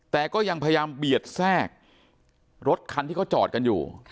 แต่ก็ยังพยายามเบียดแทรกรถคันที่เขาจอดกันอยู่